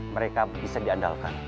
mereka bisa diandalkan